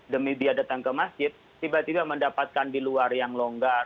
demi dia datang ke masjid tiba tiba mendapatkan di luar yang longgar